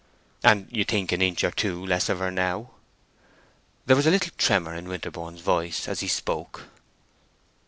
"And you think an inch or two less of her now." There was a little tremor in Winterborne's voice as he spoke.